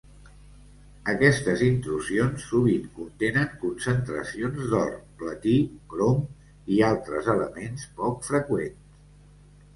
Aquestes intrusions sovint contenen concentracions d'or, platí, crom, i altres elements poc freqüents.